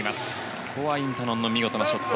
ここはインタノンの見事なショット。